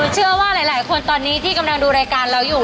เชื่อว่าหลายคนตอนนี้ที่กำลังดูรายการเราอยู่